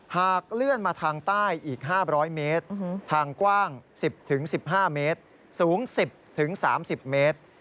หากเลื่อนมาทางใต้อีก๕๐๐เมตรทางกว้าง๑๐๑๕เมตรสูง๑๐๓๐เมตร